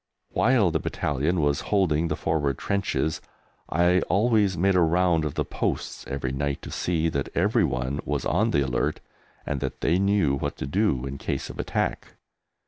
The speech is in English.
While the Battalion was holding the forward trenches I always made a round of the posts every night to see that every one was on the alert and that they knew what to do in case of attack.